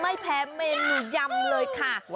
ไม่แพ้เมนูยำเลยค่ะ